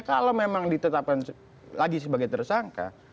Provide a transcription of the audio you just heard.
kalau memang ditetapkan lagi sebagai tersangka